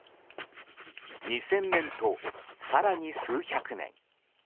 ２０００年と更に数百年。